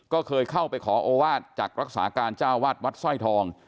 ก็เคยเข้าไปขอโอวาสจากรักษาการเจ้าวาดวัดสร้อยทอง